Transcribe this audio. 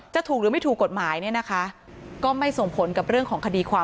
จะถูกหรือไม่ถูกกฎหมายเนี่ยนะคะก็ไม่ส่งผลกับเรื่องของคดีความ